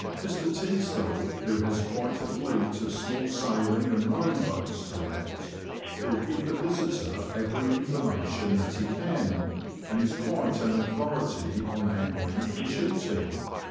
Mr. Teasdel, who has quite a fleet of small sailing and rowing boats to let, will STvLHAM Staithe hy Moonlight give the visitor every informa tion that he can, and is quite an authority on angling and shooting.